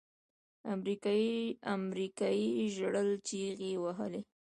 امريکايي ژړل چيغې يې وهلې.